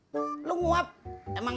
kalian berdua di semua asik